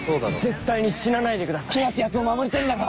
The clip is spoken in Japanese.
「絶対に死なないでください」「ヒナってやつを守りてえんだろ」